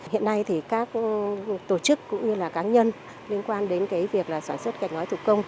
hiện nay thì các tổ chức cũng như là cá nhân liên quan đến việc sản xuất gạch gói thủ công